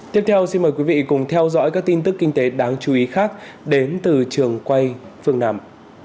tiếp theo xin mời quý vị cùng theo dõi các tin tức kinh tế đáng chú ý khác đến từ trường quay phương nam